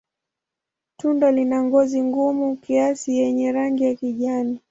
Tunda lina ngozi gumu kiasi yenye rangi ya kijani.